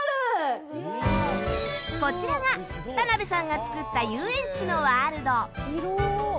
こちらがタナベさんが作った遊園地のワールド広っ！